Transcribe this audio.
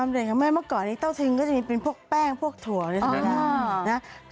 อย่างเมื่อเมื่อก่อนเต้าทึงก็จะมีพวกแป้งพวกถั่วเลยสำหรับ